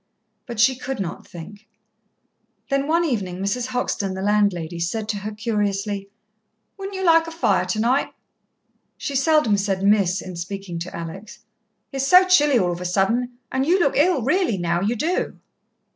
But she could not think. Then one evening Mrs. Hoxton, the landlady, said to her curiously: "Wouldn't you like a fire, tonight?" She seldom said "Miss" in speaking to Alex. "It's so chilly, all of a sudden, and you look ill, really, now, you do."